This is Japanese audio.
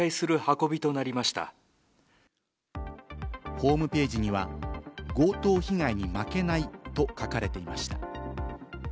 ホームページには「強盗被害に負けない」と書かれていました。